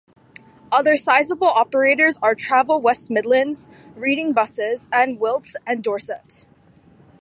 Other sizeable operators are Travel West Midlands, Reading Buses and Wilts and Dorset.